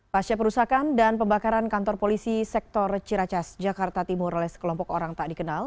pasca perusahaan dan pembakaran kantor polisi sektor ciracas jakarta timur oleh sekelompok orang tak dikenal